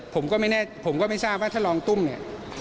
ผมก็ไม่แน่ผมก็ไม่ทราบว่าท่านรองตุ้มเนี่ย